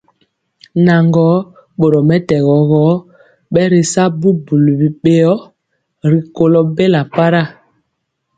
Naŋgɔɔ, boromɛtɛgɔ gɔ, bɛritya bubuli mɛbéo rikɔlɔ bela para,